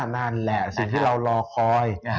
นั่นแหละสิ่งที่เรารอคอย